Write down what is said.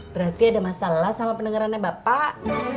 berarti ada masalah sama pendengarannya bapak